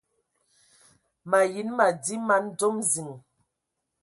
Mayi nə madi man dzom ziŋ.